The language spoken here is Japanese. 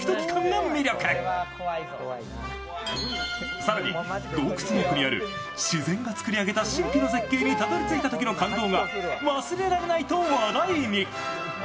更に洞窟の奥にある自然が作り上げた神秘の絶景にたどり着いた時の感動が忘れられないと話題に。